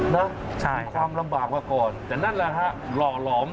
นะคือความลำบากกว่าก่อนแต่นั่นแหละฮะหล่อ